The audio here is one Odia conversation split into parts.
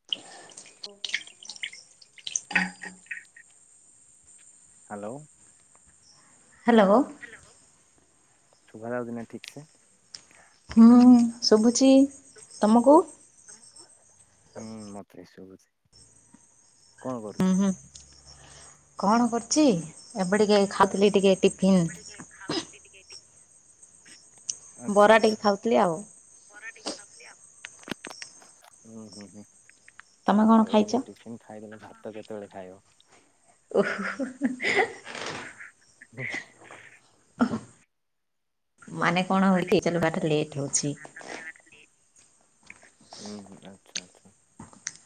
[inaudible] ହ୍ୟାଲୋ। ହ୍ୟାଲୋ। ଶୁଭା ଯାଉଛି ନା ଠିକ୍ ସେ? ହୁଁ ଶୁଭୁଛିି। ହୁଁ ମତେ ବି ଶୁଭୁଛି। କଣ ହୁଁ କରୁଛ? ହୁଁ କଣ କରଛି? ଏବେ ଟିକେ ଖାଉଥିଲି ଟିକେ ଟିଫିନ୍। ଆଚ୍ଛା ବରା ଟିକେ ଆଚ୍ଛା। ଖାଉଥିଲି ଆଉ। ବରା ଟିକେ ଖାଉଛି ଆଉ। ତମେ କଣ ଆଉ ଖାଇଛ? ଏଇନେ ଟିଫିନ ଖାଇଦେଲ ତ ଭାତ କେତେବେଳେ ଖାଇବ? [unintelligible] [unintelligible] ମାନେ କଣ ହଇଛି ଚାଲ ବାଟା ଲେଟ ହଉଛି। ହୁଁ ହୁଁ ଆଚ୍ଛା ଆଚ୍ଛା।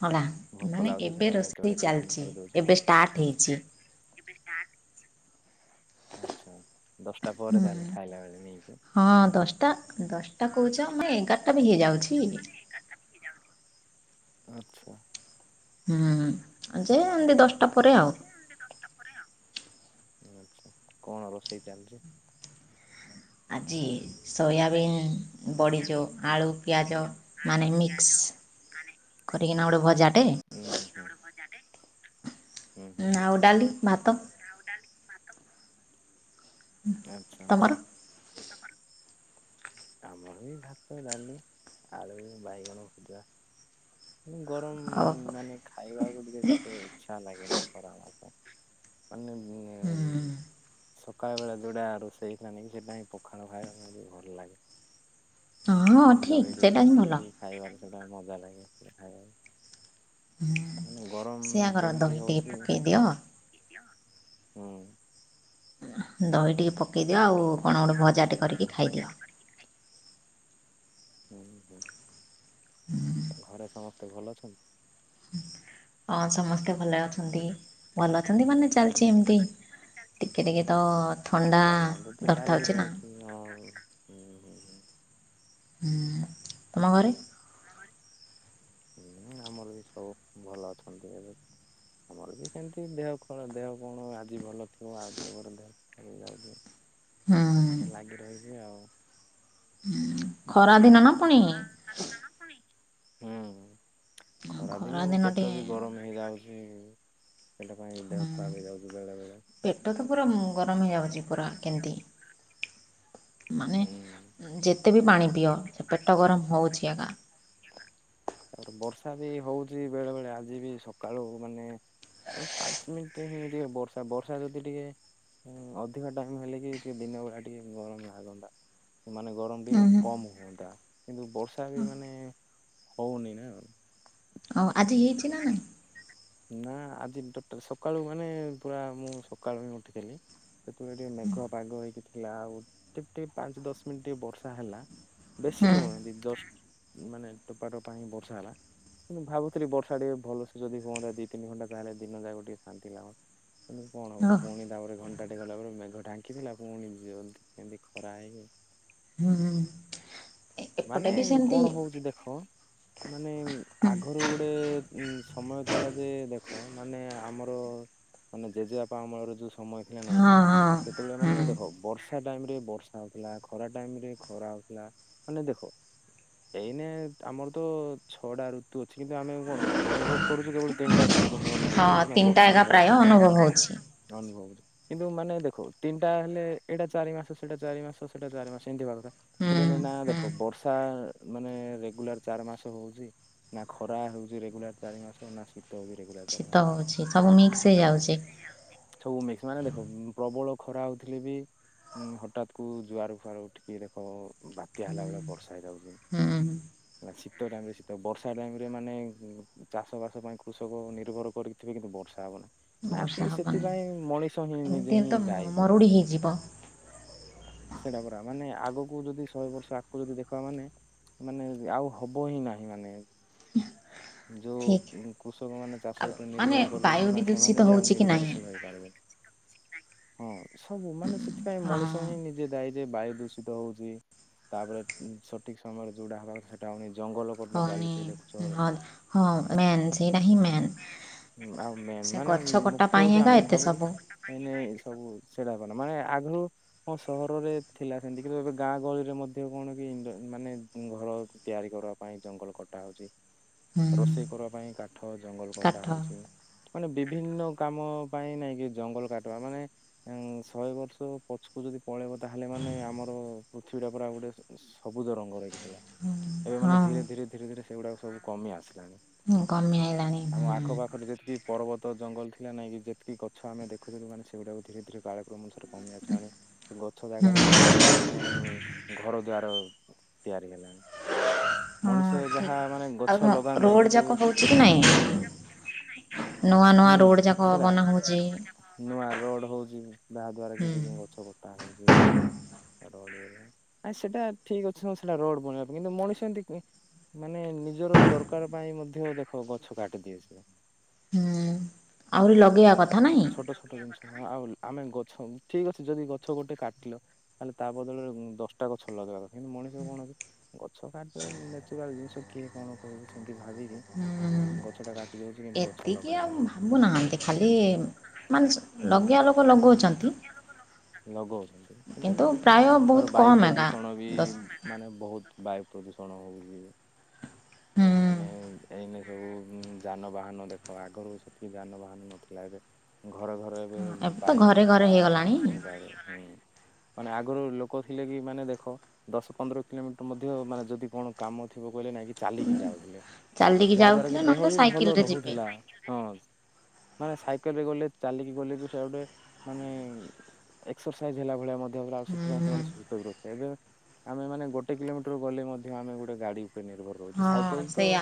ହେଲା। ଭୋକ ମାନେ ଲାଗୁଛି ଏବେ ସେଟା ପାଇଁ ରୋଷେଇ ଏତେବେଳେ ଟିଫିନ ଚାଲିଛି ଖାଇ ଦଉଛ ଏବେ ଆଉ। ଷ୍ଟାର୍ଟ ହେଇଛି। ଆଚ୍ଛା ଦଶଟା ପରେ ତାହେଲେ ଖାଇଲା ବେଳେ ନେଇକି। ହଁ ଦଶଟା ଦଶଟା କହୁଛ ଆମେ ଏଗାରଟା ବି ହେଇଯାଉଛି। ଆଚ୍ଛା। ହୁଁ ଆ ଯେ ହୁଁ ହୁଁ ଏମତି ହୁଁ। ଦଶଟା ପରେ ଆଉ। ଆଚ୍ଛା କଣ ରୋଷେଇ ଚାଲିଛି? ଆଜି ସୋୟାବିନ୍ ବଡ଼ି ଯୋଉ ଆଳୁ ପିଆଜ ମାନେ ମିକ୍ସ। କରିକିନା ଗୋଟେ ଭଜାଟେ। ଉଁ ହୁଁ ହୁଁ ଆଉ ଡାଲି ଭାତ। ଆଉ ଡାଲି ଭାତ। ଆଚ୍ଛା ତମର ଆଚ୍ଛା। ଆମର ବି ଭାତ ଡାଲି ଆଳୁ ବାଇଗଣ ଭଜା। ମୁଁ ଗରମ୍ ହଉ ମାନେ ଖାଇବାକୁ ଟିକେ ସେତେ ଇଚ୍ଛା ଲାଗେନି ଗରମ ଭାତ ମାନେ ଉ ସକାଳ ବେଳେ ଯୋଉଟା ରୋଷେଇ ଥିଲାନି କି ସେଟା ହିଁ ପଖାଳ ଖାଇବା ଭଲ ଲାଗେ। ହଉ ହଁ ଠିକ୍ ସେଇଟା ହିଁ ଭଲ। ଖାଇବା ସେଟା ମଜା ଲାଗେ ସେଟା ଖାଇବାକୁ। ମାନେ ଗରମ ସେୟା କର ଯେମିତି ଦହି ଟିକେ ହୋଉଚି ହୁଁ। ପକେଇ ଦିଅ ଦହି ଟିକେ ପକେଇଦିଅ ଆଉ କଣ ଗୋଟେ ଭଜା ଟେ କରିକି ଖାଇଦିଅ। ହୁଁ ହୁଁ ଘରେ ସମସ୍ତେ ଭଲ ଅଛନ୍ତି? ହଁ ସମସ୍ତେ ଭଲ ଅଛନ୍ତି ଭଲ ଅଛନ୍ତି ମାନେ ଚାଲିଚି ଏମତି ଟିକେ ଟିକେ ତ ଥଣ୍ଡା [unintelligible] ଛି ନା। ନାଇଁ ହୁଁ ହୁଁ ହୁଁ। ହୁଁ ତମ ଘରେ? ହୁଁ ଆମର ବି ସବୁ ଭଲ ଅଛନ୍ତି ଏବେ। ଆମର ବି ସେମିତି ଦେହ କ ଦେହ କଣ ଆଜି ଭଲ ଥିବ ଆଉ ଟିକେ ପରେ ଦେହ ହେଇଯାଉଛି। ହୁଁ ସେମତି ତ ଲାଗି ରହିଚି ଆଉ। ହୁଁ ଖରା ଦିନ ନା ପୁଣି ହୁଁ। ଖରା ଦିନ ଖରାଦିନ ପେଟ ଟିକେ ବି ଗରମ ହେଇଯାଉଚି। ସେଇଟା ପାଇଁ ଦେହ ଖରାପ ହେଇଯାଉଚି ବେଳେବେଳେ। ପେଟ ତ ପୁରା ଗରମ ହେଇଯାଉଚି ପୁରା କେମିତି। ମାନେ ହୁଁ ଯେତେ ବି ପାଣି ପିଅ ସେ ପେଟ ଗରମ ହୋଉଛି ଏକା। ତାପରେ ବର୍ଷା ବି ହୋଉଚି ବେଳେ ବେଳେ ଆଜି ବି ସକାଳୁ ମାନେ ଆ ପାଞ୍ଚ ମିନିଟ ଟିକେ ବର୍ଷା ବର୍ଷା ଯଦି ଟିକେ ହୁଁ ଅଧିକ ଟାଇମ୍ ହେଲେ ବି ଟିକେ ଦିନ ବେଳା ଟିକେ ଗରମ ଲାଗନ୍ତା। ସେ ମାନେ ଗରମ ହୁଁ ଟିକେ ହୁଁ କମ୍ ହୁଅନ୍ତା କିନ୍ତୁ ବର୍ଷା ବି ମାନେ ହୋଉନି ନା ଆଉ। ହଁ ଆଜି ହେଇଚି ନା ନାଇଁ? ନା ଆଜି ସକାଳୁ ମାନେ ପୁରା ମୁଁ ସକାଳୁ ହିଁ ଉଠିଥିଲି ସେତେବେଳେ ଟିକେ ମେଘୁଆ ପାଗ ହେଇକି ଥିଲା ଆଉ ଟିକ ଟିକେ ପାଞ୍ଚ ଦଶ ମିନିଟ୍ ଟିକେ ବର୍ଷା ହେଲା। ବେଶୀ ହୁଁ ନୁହେଁ ଜଷ୍ଟ ମାନେ ଟୋପା ଟୋପା ହିଁ ବର୍ଷା ହେଲା କିନ୍ତୁ ଭା ତି ରେ ବର୍ଷା ଟିକ ଭଲସ ଯଦ ହୁଅନ୍ତା ଦି ତିନି ଘଣ୍ଟା ତାହେଲେ ଦିନ ଯାକ ଟିକେ ଶାନ୍ତି ଲାଗନ୍ତା। କିନ୍ତୁ କଣ ହେବ ଓ ପୁଣି ତାପରେ ଘଣ୍ଟାଟେ ଗଲା ପରେ ମେଘ ଢାଙ୍କିଥିଲା ଫୁଣି କେମିତି ଖରା ହେଇକି ହୁଁ ହୁଁ। ଏପଟେ ମାନେ ବି ସେମିତି କଣ ହୋଉଚି ଦେଖ ମାନେ ଆଗରୁ ଗୋଟେ ସମୟ ଥିଲା ଯେ ଦେଖ ମାନେ ଆମର ମାନେ ଜେଜେବାପା ମଳରେ ଯୋଉ ସମୟ ଥିଲା ନାଇଁ ହଁ କି ହଁ ସେତେବେଳେ ମାନେ ହୁଁ। ଦେଖ ବର୍ଷା ଟାଇମ୍ ରେ ବର୍ଷା ହୋଉଥିଲା ଖରା ଟାଇମ୍ ରେ ଖରା ହୋଉଥିଲା ମାନେ ଦେଖ ଏଇନେ ଆମର ତ ଛଅଟା ଋତୁ ଅଛି କିନ୍ତୁ ଆମେ କଣ ଅନୁଭବ କରୁଚେ କେବଳ ତିନିଟା ଋତୁ ତୁ କ ଅନୁଭବ ହଁ କରୁଚୁ ନା ତିନିଟା ବର୍ଷା ଏକା ଖରା ପ୍ରାୟ ସହିତ ଅନୁଭବ ହଉଛି। ଅନୁଭବ କିନ୍ତୁ ମାନେ ଦେଖୁ ତିନିଟା ହେଲେ ଏଇଟା ଚାରି ମାସ ସେଟା ଚାରି ମାସ ସେଟା ଚାରି ମାସ ଏମିତି ବା କଥା ହୁଁ ଦିନେ ନା ହୁଁ ଦେଖ ବର୍ଷା ମାନେ ରେଗୁଲାର ଚାରି ମାସ ହୋଉଚି ନା ଖରା ହୋଉଚି ରେଗୁଲାର ଚାରି ମାସ ନା ସି ତୋ ପିଲା ଶୀତ ହେଉଚି ସବୁ ମିକ୍ସ ହେଇଯାଉଚି। ସବୁ ମିକ୍ସ ମାନେ ଦେଖ ପ୍ରବଳ ଖରା ହଉଥିଲେ ବି। ହୁଁ ହଠାତ୍ କୁ ଜୁଆର ଫୁଆର ଉଠିକି ଦେଖ ବାତ୍ୟା ହେଲା ବେଳେ ବର୍ଷା ହେଇଯାଉଜି। [inaudible] ନା ଶୀତ ଟାଇମ ରେ ଶୀତ ବର୍ଷା ଟାଇମରେ ମାନେ ଚାଷ ବାସ ପାଇଁ କୃଷକ ନିର୍ଭର କରି। ଥିବେ କିନ୍ତୁ ବର୍ଷା ହବନା। ନା ବର୍ଷା ଆକ୍ଚୁଆଲି ହବନି। ସେଥିପାଇଁ ମଣିଷ ହିଁ ଏମିତି ନିଜେ ହେଲେ ହିଁ ତ ଦାୟୀ ମରୁଡ଼ି ହେଇଯିବ ସେଥିପାଇଁ। ସେଇଟା ପୁରା ମାନେ ଆଗକୁ ଯଦି ଶହେ ବର୍ ଚାକୁ ଯଦି ଦେଖ ବା ମାନେ ମାନେ ଆଉ ହବ ହିଁ ନାହିଁ ମାନେ। ଯୋଉ ଠିକ୍। କୃଷକ ମାନେ ଚାଷ ଆଉ ଉପରେ ମାନେ ନିର୍ଭର ବାୟୁ କରିଛନ୍ତି ମାନେ ଦୂଷିତ ସେମାନେ ବି ଆଉ ହଉଛି କି ନାହିଁ? ନିର୍ଭରଶୀଳ ହେଇପାରିବେ। ହଁ ସବୁ ମାନେ ସେଥିପାଇଁ ହଁ ମଣିଷ ହିଁ ନିଜେ ଦାୟୀ ଯେ ବାୟୁ ଦୂ ସିତ ହଉଚି ତାପରେ ଉଁ ସଠିକ ସମୟରେ ଯଉଟା ହବା କଥା ସେଟା ହଉନି ଜଙ୍ଗଲ। କଟା ହଉନି ଚାଲିଛି ଦେଖୁଛ। ହନ୍ତ ହଁ। ମେନ୍ ସେଇଟା ହିଁ ମେନ୍ ହୁଁ, ଆଉ ମେନ୍ ସେ ଗଛ କଟା ପାଇଁ ଏକା ଏତେ ସବୁ। ସେ ନାଇ ସବୁ ସେଟା ମାନେ ଆଗୁରୁ। ହଁ ସହରରେ ଥିଲା ସେମିତି କିନ୍ତୁ ଏ ଗାଁ ଗହଳିରେ ମଧ୍ୟ କଣ କି ମାନେ ଘର ତିଆରି କର। ପାଇଁ ଜଙ୍ଗଲ କଟା ହଉଚି ହୁଁ ରୋଷେଇ କରିବା ପାଇଁ କାଠ ଜଙ୍ଗଲ କଟା କାଠ ହଉଛି। ମାନେ ବିଭିନ୍ନ କାମ ପାଇଁ ନାଇଁକି ଜଙ୍ଗଲ କାଟିବା ମାନେ। ଏଂ ଶହେ ବର୍ଷ ପଛକୁ ଯଦି ପଳେଇବ ତାହେଲେ ମାନେ ଆମର ପୃଥିବୀଟା ପୁରା ଉ ଗୋଟେ ସ ସବୁଜ ରଙ୍ଗରେ ହେଇକି ଥିଲା ଏବେ ମାନେ ହଁ। ଧୀରେ ଧୀରେ ଧୀରେ ଧୀରେ ସେଗୁଡାକ ସବୁ କମି ଆସିଲାଣି। ହୁଁ କମି ଆଇଲାଣି। ଆମ ଆଖ ହୁଁ ପାଖରେ ଯେତିକି ପର୍ବତ ଜଙ୍ଗଲ ଥିଲା ନାଇଁ କି ଯେତିକି ଗଛ ଆମେ ଦେଖୁଥିଲୁ ମାନେ ସେଗୁଡାକୁ ଧୀରେ ଧୀରେ କାଳକ୍ରମଶରେ। କମି ଆସିଲାଣି ସେ ଗଛ ଜାଗାରେ ହୁଁ ମାନେ ଘର ଦୁଆର। ତିଆରି ହେଲାଣି। ହଁ ମଣିଷ ଯାହା ଠିକ ମାନେ ଆଉ ଗଛ ହଁ ଲଗାନ୍ତା ରୋଡ କିନ୍ତୁ ଯାକ ହଉଛି କି ନାଇଁ। ନୂଆ ନୂଆ ହୁଁ ରୋଡ ଯାକ ସେଟା ବନା ହଉଚି। ନୂଆ ରୋଡ଼ ହଉଚି ଯାହା ଦ୍ଵାରା କି ହୁଁ [unintelligible] ଗଛ କଟା ହଉଛି ସେ। ଆ ସେଟା ଠିକ ଅଛି ହଁ ସେଟା ରୋଡ ବନେଇିବା କୁ କିନ୍ତୁ ମଣିଷ ଏମିତି। ଇ ମାନେ ନିଜର ଦରକାର ପାଇଁ ମଧ୍ୟ ଦେଖ ଗଛ କାଟି ଦିଏ ସିଏ। ହୁଁ ଆହୁରି ଲଗେଇବା ହେଲା କଥା ନାହିଁ। ଛୋଟ ଜିନିଷ ହଁ ଆଉ ଆମେ ଗଛ ଠିକ ଅଛ ଯଦି ଗଛ ଗୋଟେ କାଟିଲ। ତାହେଲେ ତା ବଦଳରେ ଉଁ ଦଶଟା ଗଛ ଲଗେଇବା କଥା କିନ୍ତୁ ମଣିଷ କଣ କି ଗଛ କା ନ୍ୟାଚୁରାଲ ଜିନିଷ କିଏ କଣ କହିବେ ସେମିତି ଭାବିକି। ଗଛଟା କାଟି ଦଉଛି କିନ୍ତୁ ଗଛ ଏତିକି ଲଗାଇନି ଆଉ ଭାବୁନାହାନ୍ତି ଖାଲି। ମାନେ ସ ହୁଁ ଲଗେଇଆ ଲୋକ ଲଗଉଚନ୍ତି। ଲଗଉଛନ୍ତି କିନ୍ତୁ ପ୍ରାୟ ବହୁତ ତାର ବାୟୁ କମ୍ ଏକା ପ୍ରଦୂଷଣ ବି। ଦଶ ମାନେ ବହୁତ ବାୟୁ ପ୍ରଦୂଷଣ ହଉଜି ହୁଁ ହେଲା ମାନେ ଏଇନେ ଯଉ ଯାନବାହାନ ଦେଖ ଆଗରୁ ସେଠି ଯାନବାହାନ ନଥିଲା ଏବେ ଘର ଘର ଏବେ। ହଁ ତ ବାଇକ୍ ଘରେ ଘରେ କାର ହେଇଗଲାଣି। ଏମିତି ସବୁ ଗାଡି ହୁଁ। ମାନେ ଆଗୁରୁ ଲୋକ ଥିଲେ କି ମାନେ ଦେଖ ଦଶ ପନ୍ଦର କିଲୋମିଟର ମଧ୍ୟ ମାନେ। ଯଦି କଣ କାମ ଥିବ କହିଲେ ନାଇଁ କି ଚାଲିକି ଯାଉଥିଲେ ଚାଲିକି ଯାହାଦ୍ୱାରା କି ଯାଉଥିଲେ ଦେହ ନହେଲେ ବି ଭଲ ସାଇକେଲ ରେ ଯିବେ ରହୁଥିଲା। ହଁ ମାନେ ସାଇକେଲରେ ଗଲେ ଚାଲିକି ଗଲେ ବି ସେୟା ଗୋଟେ ମାନେ। ଏକ୍ସରସାଇଜ୍ ହେଲା ଭଳିଆ ମ [unintelligible] ଆଉ ସେଥିପାଇଁ ହୁଁ। ସେମାନେ ସୁସ୍ଥ ବି ରିହିପା ଏବେ ଆମେ ମାନେ ଗୋଟେ କିଲୋମିଟର ଗଲେ ମ ଆମେ ଗୋଟେ ଗାଡି ଉପରେ ନିର୍ଭର। ହଁ ସାଇକେଲ ତ ସେଇଆ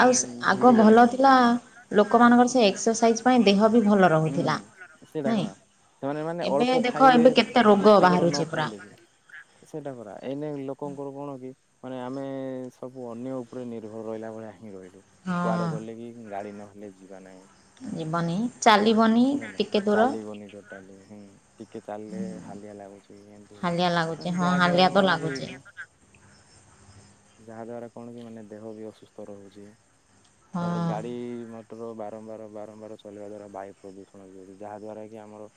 ଆଉ ସ୍ ଆଗ ଭୁଲି ଭଲ ଗଲେଣି ଥିଲା ଲୋକ। ଲୋକମାନଙ୍କର ସେ ଏକ୍ସରସାଇଜ୍ ପାଇଁ ଦେହ ବି ଭଲ ରହୁଥିଲା ହୁଁ ନାଇଁ ସେ [unintelligible] ସେମାନେ ମାନେ ଏବେ ଅଳ୍ପ ଦେଖ ଖାଇଲେ, ଏବେ କେତେ ରୋଗ ପୁଷ୍ଟିକର ନ ବାହାରୁଛି ପୁରା ଖାଇଲେ ବି ସେଇଟା ପର ଏଇନେ ଲୋକଙ୍କର କଣ କି ମାନେ ଆମେ ସବୁ, ଅନ୍ୟ ଉପରେ ନିର୍ଭର ରହିଲା ଭଳିଆ ହିଁ ରହିଲୁ। କୁଆଡେ ହଁ ଗଲେ କି ଗାଡି ନହେଲେ ଯିବା ଯିବନି ନାହିଁ। ଚାଲିବନି ଟିକେ ହେ ଦୂର ଚାଲିବନି ଟୋଟାଲି, ହୁଁ ଟିକେ ଚାଲିଲେ ହାଲିଆ ଲାଗୁଛି। ସେ ହାଲିଆ ଲାଗୁଛି ଏ ହଁ ଯାହା ହାଲିଆ ଦ୍ଵାରା ତ କଣ ଲାଗୁଛି କି ଯାହାଦ୍ୱାରା କଣ କି ମାନେ ଦେହ ବି ଅସୁସ୍ଥ ରହୁଛି। ହଁ ତାପରେ ଗାଡ଼ି ମ ବାରମ୍ବାର ବାରମ୍ବାର ଚଲିବା ଦ୍ଵାରା, ବାୟୁ ପ୍ରଦୂଷଣ ବି ଅଛି ଯାହାଦ୍ୱାରା କି ଆମର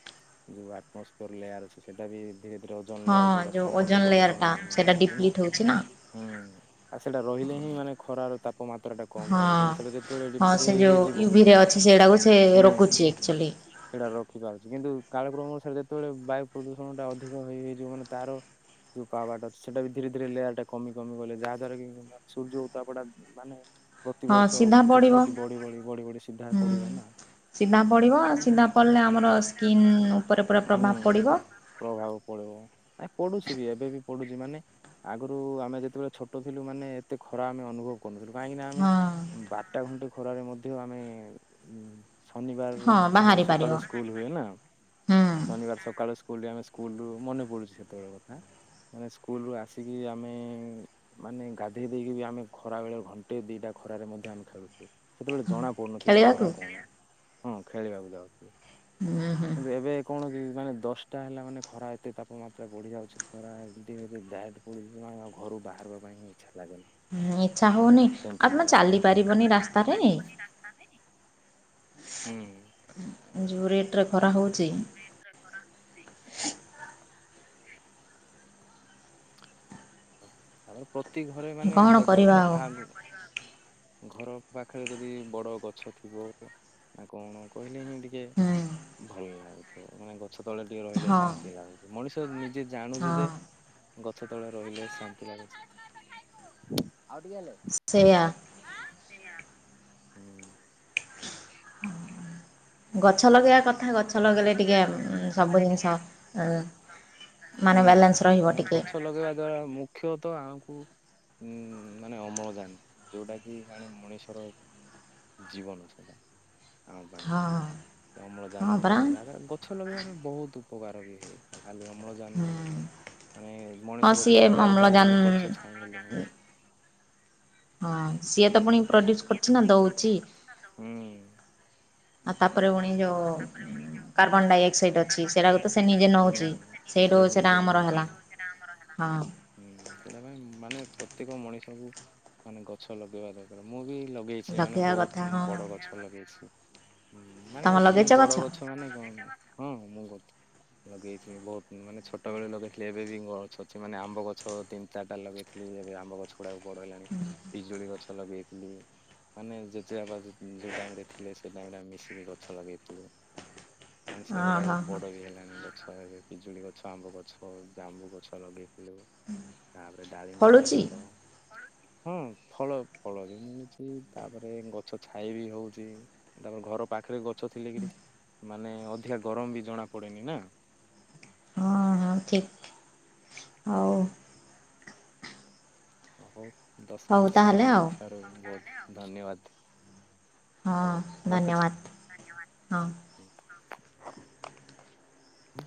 ଯୋଉ ଆଟମୋସ୍ଫିୟର ଲେୟାର ଅଛି, ସେଟା ବି ଧୀରେ ଧୀରେ ଅ ଜନ୍ ହଁ ଲେୟର ଯଉଟା ଯେଉଁ ସେଟା ଓଜନ କମି, କମି, ଲେୟର୍ଟା କମି, କମି [unintelligible] ସେଇଟା ଡିପ୍ଲିଟ୍ ହେଉଛି ନା ଆଉ ସେଇଟା ରହିଲେ ହିଁ, ମାନେ ଖରା ର ତାପମାତ୍ରା ଟା କମ ହଁ ରହିବ, କିନ୍ତୁ ସେଟା ଯେତେବେଳେ ଡିପ୍ଲେଟ ହେଇଯିବ ସେଟାକୁ ସେ ହୁଁ ରଖୁଛି ଆକଚୁଆଲି। ସେଇଟା ରଖିପାରୁଛି, କିନ୍ତୁ କାଳକ୍ରମ ଅନୁସାରରେ, ଯେତେବେଳେ ବାୟୁ ପ୍ରଦୂଷଣ ଟା ଅଧିକ ହେଇ ହେଇଯିବ, ମାନେ ତାର ଯୋଉ ପାବାଟ ଅ ସେଟା ବି ଧୀରେ ଧୀରେ ଲେୟରଟା କମି କମି ଗଲେ, ଯାହା ଦ୍ୱାରା କି ସୂର୍ଯ୍ୟ ଉତାପଟା ମାନେ ହଁ ପ୍ରତିିବର୍ଷ ସିଧା କିଛି ପଡ଼ିବ କିଛି, ବଢି ବଢି, ବଢି ବଢି ସିଧା ହୁଁ। ପଡିବ ନା। ସିଧା ପଡିବ, ହୁଁ ସିଧା ପଡ଼ିଲେ ଆମର ସ୍କିନ୍ ଉପରେ ପୁରା ପ୍ରଭାବ ପଡିବ। ପ୍ରଭାବ ପଡିବ, ନାଇ ପଡୁଛି ବି ଏବେ ବି ପଡୁଛି ମାନେ ଆଗରୁ ଆମେ ଯେତେବେଳେ ଛୋଟ ଥିଲୁ, ମାନେ ଏତେ ଖରା ଆମେ ଅନୁଭବ କରୁନଥିଲୁ, କାହିଁକିନା ଆମେ ହଁ। ବାରଟା, ଘଣ୍ଟେ ଖରାରେ ମଧ୍ୟ ଆମେ, ଶନିବାର ହଁ ଆମର ବାହାରି ପାରିବ ସକାଳୁ ସ୍କୁଲ। ହୁଏ ନା ହୁଁ ଶନିବାର ସକାଳୁ ସ୍କୁଲ ଟି, ଆମେ ସ୍କୁଲ ରୁ ମନେ ପଡୁଛୁ ସେତେବେଳେ କଥା, ମାନେ ସ୍କୁଲ ରୁ ଆସି କି ଆମେ ମାନେ ଗାଧେଇ ଦେଇକି ବି ଆମେ, ଖରା ବେଳେ ଘଣ୍ଟେ ଦିଟା ଖରାରେ ମଧ୍ୟ ଆମେ ଖେଳୁଥିଲୁ। ସେତେବେଳେ ଜଣାପଡ଼ୁନଥିଲା ଖରା ଖେଳିବାକୁ କଣ, ହଁ ଖେଳିବାକୁ ଯାଉଥିଲେ। ହୁଁ ହୁଁ। କିନ୍ତୁ ଏବେ କଣ କି ମାନେ ଦଶଟା ହେଲା ମାନେ, ଖରା ଏତେ ତାପମାତ୍ରା ବଢ଼ିଯାଉଛି, ଖରା ଏମିତି ହେଉଛି ଦ୍ୟାଟ୍ ପ ଆଉ ଘରୁ ବାହାରିବା ପାଇଁବି ଇଚ୍ଛା ଲାଗୁନି। ହୁଁ ଇଚ୍ଛା ହଉନି, ଆଉ ବା ଚାଲି ପାରିବନି ରାସ୍ତାରେ। [unintelligible] ହୁଁ। ଯେଉଁ ରେଟ୍ରେ ଖରା ହେଉଛି [unintelligible] ତାପରେ ପ୍ରତି ଘରେ ମାନେ କଣ ଦେଖ କରିବା ଆଉ ଯାହା ଘର ପାଖରେ ଯଦି ବଡ ଗଛ ଥିବ। ନା କଣ କହିଲେ ହିଁ ଟିକେ, ହୁଁ। ଭଲ ଲାଗୁଥିବ ମାନେ ଗଛ ତଳେ ଟିକେ ରହିଲେ ହଁ ଶାନ୍ତି ଲାଗୁଛି, ମଣିଷ ନିଜେ ଜାଣୁଛି ଯେ ହଁ ଗଛ ତଳେ ରହିଲେ ଶାନ୍ତି ଲାଗୁଛି ଆଉ ଟିକେ ହେଲେ। ସେୟା ସେୟା ହୁଁ ଗଛ ଲଗେଇବା କଥା, ଗଛ ଲଗେଇଲେ ଟିକେ ସବୁ ଜିନିଷ ହୁଁ ମାନେ ବାଲାନ୍ସ ରହିବ ନାଇଁ ଟିକେ। ଗଛ ଲଗେଇବା ମୁଖ୍ୟତଃ ଆମକୁ ଉଁ ମାନେ ଅମ୍ଳଜାନ ଯୋଉଟା କି ମାନେ ମଣିଷର ଜୀବନ ସେଟା ଆମ ହଁ ପାଇଁ ହଁ ଅମ୍ଳଜାନ ପରା ମିଳିବ [unintelligible] ଗଛ ଲଗେଇବାରେ ବହୁତ ଉପକାର ବି ହେଇଥାଏ, ଖାଲି ଅମ୍ଳଜାନ ବୋଲି ହୁଁ। ନାହିଁ ମାନେ ହଁ ମଣିଷ ଦେଖ ସିଏ ଖରାରେ କୁଆଡ଼େ ଅମ୍ଳଜାନ ଗଲେ ଗଛ ଛାଇ [unintelligible] ହଁ ସିଏ ତ ପୁଣି ପ୍ରଡ୍ୟୁସ କରୁଛି ନା ଦଉଛି। ହୁଁ। ଆଉ ତାପରେ ପୁଣି ଯୋଉ ଉଁ କାର୍ବନ ଡାଇଅକ୍ସାଇଡ ଅଛି ସେଟାକୁ ତ ସେ ନିଜେ ନେଉଛି। ସେଇଠୁ ସେଇଟା ଆମର ନଉଛି ହେଲା ହଁ। ହୁଁ ସେଇଟା ପାଇଁ ମାନେ ପ୍ରତ୍ୟେକ ମଣିଷକୁ ମାନେ ଗଛ ଲଗେଇବା ଦର୍ କାର, ମୁଁ ବି ଲଗେଇଛି ମାନେ ଲଗେଇବା କଥା ବହୁତ ହଁ। ବଡ ଗଛ ଲଗେଇଛି। ହୁଁ ମାନେ ତମ ଲଗେଇଚ ବଡ଼ ଗଛ? ଗଛ ମାନେ କଣ ହଁ ମୁଁ ଗଛ୍ ଲଗେଇଛି ବହୁତ ମାନେ ଛୋଟବେେଳେ ଲଗେଇଥିଲି ଏବେ ବି ଗଛ ଅଛି ମାନେ ଆମ୍ବ ଗଛ ତିନି ଚାରିଟା ଲଗେଇ ଥିଲି ଏବେ ଆମ୍ବ ଗଛ ଗୁଡାକ ବଡ଼ ହେଇଲାଣି। ପିଜୁଳି ଗଛ୍ ଗଛ ଲଗେଇଥିଲି, ମାନେ ଜେଜେବାପା ଯୋଉ ଟାଇମରେ ଥିଲେ, ସେ ଟାଇମରେ ଆମେ ମିଶିକି ଗଛ ଲଗେଇ ଥିଲୁ, ମାନେ ହଁ ସେଗୁଡାକ ହଁ ହଁ ବଡ ବି ହେଲାଣି ଗ ଛ, ଏବେ ପିଜୁଳି ଗଛ, ଆମ୍ବ ଗଛ, ଜାମୁ ଗଛ ଲଗେଇଥିଲୁ। ତାପରେ ଡାଳିମ୍ବ ଫଳୁଛି ଗଛ। ହୁଁ, ଫଳ ଫଳ ବି ମିଳୁଛି ତାପରେ ଗଛ ଛାଇ ବି ହଉଛି। ତାପରେ ଘର ପାଖରେ ଗଛ ଥିଲେ କିରି ମାନେ ଅଧିକା ଗରମ ବି ଜଣା ପଡେନି ନା। ହଁ ହଁ ଠିକ୍। ହଉ। ହଉ ଦଶ ହଉ ମିନିଟ୍ ତାହେଲେ ସମୟ ଆଉ ଦେଇଥିବାରୁ ବହୁତ ଧନ୍ୟବାଦ। ହଁ ହଉ ରଖୁଛି ଧନ୍ୟବାଦ ହଁ। ହୁଁ। ହୁଁ।